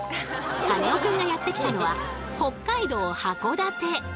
カネオくんがやって来たのは北海道函館。